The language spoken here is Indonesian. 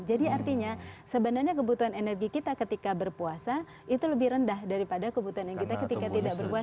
jadi artinya sebenarnya kebutuhan energi kita ketika berpuasa itu lebih rendah daripada kebutuhan energi kita ketika tidak berpuasa